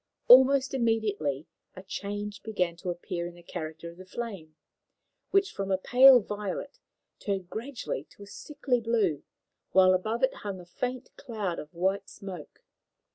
Almost immediately a change began to appear in the character of the flame, which from a pale violet turned gradually to a sickly blue, while above it hung a faint cloud of white smoke.